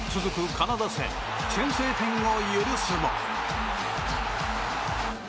カナダ戦先制点を許すも。